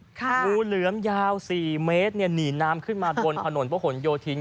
งูเหลือมยาว๔เมตรหนีน้ำขึ้นมาบนผนโยธิง